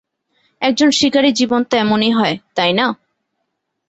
একজন শিকারীর জীবন তো এমনই হয়, তাই না?